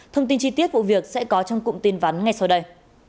thông tin chi tiết vụ việc sẽ có trong cụm tin vắn ngay sau đây